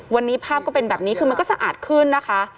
วันนี้ภาพก็เป็นแบบนี้คือมันก็สะอาดขึ้นนะคะ